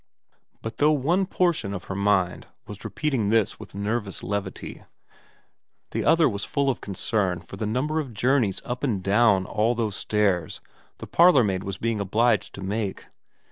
But though one portion of her mind was repeating this with nervous levity, the other was full of concern for the number of journeys up and down all those stairs the parlourmaid was being obliged to make.